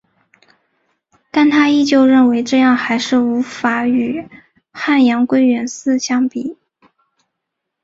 但她依旧认为这样还是无法与汉阳归元寺相比。